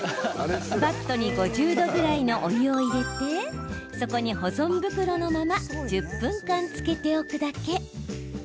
バットに５０度ぐらいのお湯を入れてそこに保存袋のまま１０分間つけておくだけ。